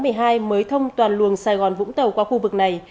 mới thông toàn luồng sài gòn vũng tàu qua khu vực này